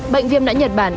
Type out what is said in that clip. bệnh viêm nã nhật bản